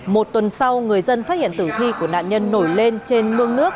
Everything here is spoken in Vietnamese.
một tuần sau người dân phát hiện tử thi của nạn nhân nổi lên trên mương nước